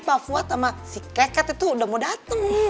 pavuat sama si keket itu udah mau dateng